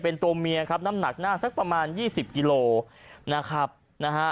เป็นตัวเมียครับน้ำหนักหน้าสักประมาณยี่สิบกิโลนะครับนะฮะ